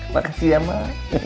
makasih ya mah